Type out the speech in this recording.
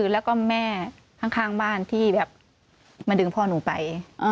แล้วก็แม่ข้างบ้านที่แบบมาดึงพ่อหนูไป